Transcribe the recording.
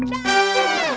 tidak ada yang bisa diberikan